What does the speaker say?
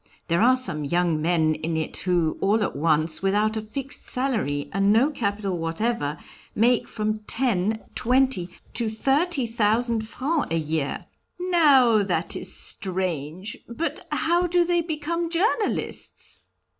There are some young men in it who, all at once, without a fixed salary, and no capital whatever, make from ten, twenty to thirty thousand francs a year." "Now, that is strange! But how do they become journalists?"